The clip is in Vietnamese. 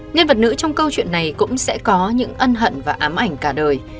nhân vật nữ trong câu chuyện này cũng sẽ có những ân hận và ám ảnh cả đời